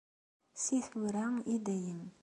Si tura i dayem.